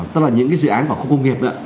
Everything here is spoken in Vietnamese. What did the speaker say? tức là những cái dự án của khu công nghiệp đó